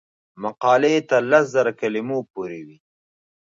مقالې تر لس زره کلمو پورې وي.